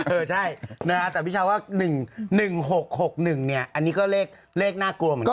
เออใช่นะฮะแต่พี่ชาวว่า๑๑๖๖๑เนี่ยอันนี้ก็เลขน่ากลัวเหมือนกัน